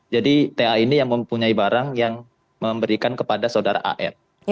jadi ta ini yang mempunyai barang yang memberikan kepada saudara an